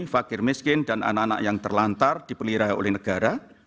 fakir miskin dan anak anak yang terlantar dipelihara oleh negara